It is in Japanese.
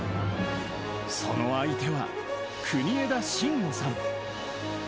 その相手は、国枝慎吾さん。